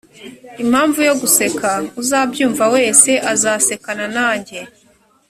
impamvu yo guseka uzabyumva wese azasekana nanjye